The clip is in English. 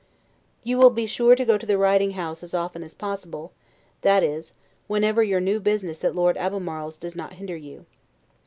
You will be sure to go to the riding house as often as possible, that is, whenever your new business at Lord Albemarle's does not hinder you.